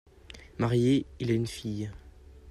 Marié, il a une fille.